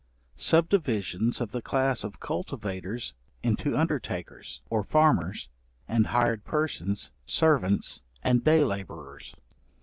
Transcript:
Subdivisions of the class of cultivators into undertakers, or farmers, and hired persons, servants, and day labourers.